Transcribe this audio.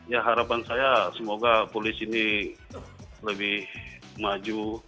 ya harapan saya semoga polisi ini lebih maju